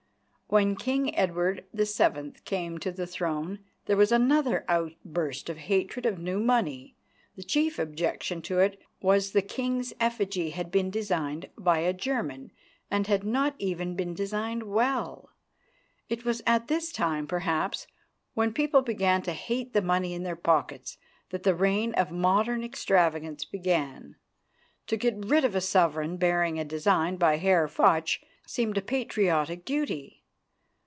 When King Edward VII. came to the throne, there was another outburst of hatred of new money. The chief objection to it was that the King's effigy had been designed by a German and had not even been designed well. It was at this time, perhaps, when people began to hate the money in their pockets, that the reign of modern extravagance began. To get rid of a sovereign bearing a design by Herr Fuchs seemed a patriotic duty.